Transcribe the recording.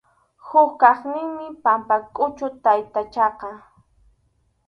Huk kaqninmi Pampakʼuchu taytachaqa.